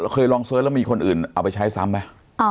เคยลองเสิร์ชแล้วมีคนอื่นเอาไปใช้ซ้ำไหม